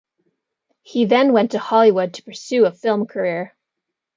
He then went to Hollywood to pursue a film career.